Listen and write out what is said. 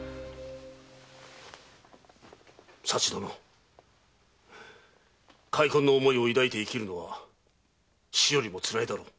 佐知殿悔恨の思いを抱いて生きるのは死よりもつらいだろう。